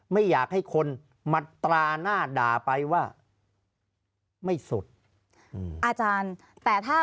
ไม่อยากให้คนมาตราหน้าด่าไปว่าไม่สุดอืมอาจารย์แต่ถ้า